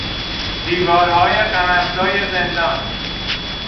دیوارهای غم افزای زندان